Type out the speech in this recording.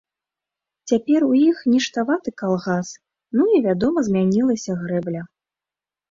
Цяпер у іх ніштаваты калгас, ну і, вядома, змянілася грэбля.